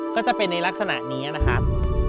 ก็จะเป็นในลักษณะนี้นะครับ